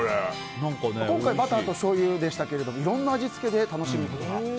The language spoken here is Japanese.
今回はバターとしょうゆでしたけれどもいろんな味付けで楽しめます。